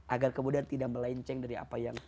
agar kemudian tidak melenceng dari apa yang